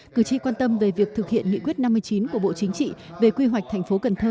cử tri quan tâm về việc thực hiện nghị quyết năm mươi chín của bộ chính trị về quy hoạch thành phố cần thơ